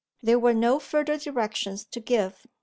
There were no further directions to give.